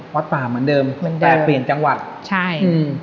วัดป่ามันเดิมแต่เปลี่ยนจังหวัดใช่